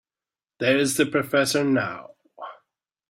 There's the professor now.